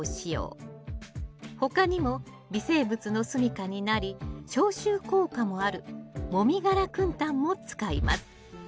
他にも微生物のすみかになり消臭効果もあるもみ殻くん炭も使います。